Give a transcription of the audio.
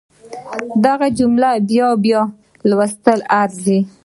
دغه جمله په بيا بيا لوستلو ارزي.